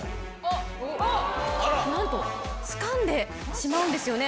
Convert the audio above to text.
なんとつかんでしまうんですよね。